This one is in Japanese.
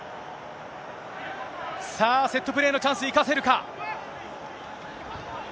さあ、セットプレーのチャンス、生かせるか。